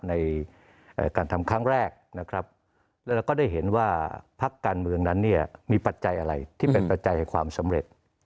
ในการทำครั้งแรกนะครับแล้วเราก็ได้เห็นว่าพักการเมืองนั้นเนี่ยมีปัจจัยอะไรที่เป็นปัจจัยความสำเร็จ